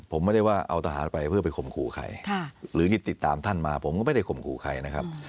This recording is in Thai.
ผมไม่ได้ว่าเอาทหารไปเพื่อไปข่มขู่ใครหรือนี่ติดตามท่านมาผมก็ไม่ได้ข่มขู่ใครนะครับ